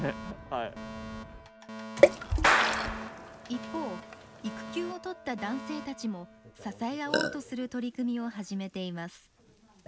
一方育休を取った男性たちも支え合おうとする取り組みを始めています。